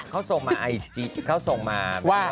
เขาส่งมาไอจีเขาส่งมาว่า